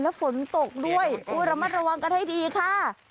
ฝนตกด้วยระมัดระวังกันให้ดีค่ะ